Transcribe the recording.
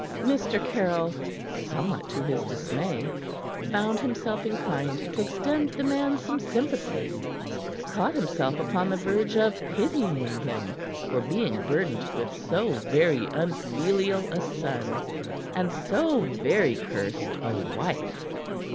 Mr. Caryll, somewhat to his dismay, found himself inclined to extend the man some sympathy; caught himself upon the verge of pitying him for being burdened with so very unfilial a son and so very cursed a wife.